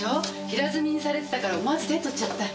平積みにされてたから思わず手に取っちゃった。